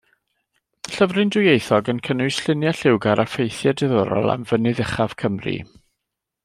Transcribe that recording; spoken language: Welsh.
Llyfryn dwyieithog yn cynnwys lluniau lliwgar a ffeithiau diddorol am fynydd uchaf Cymru.